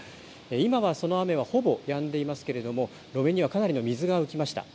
今はその雨は、ほぼやんでいますけれども路面にはかなりの水が浮きました。